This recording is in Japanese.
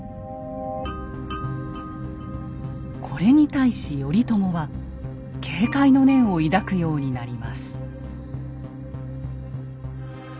これに対し頼朝は警戒の念を抱くようになります。